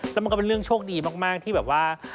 แล้วมันก็เป็นเรื่องโชคดีมากที่แบบว่า